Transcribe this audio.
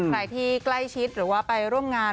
ใครที่ใกล้ชิดหรือว่าไปร่วมงาน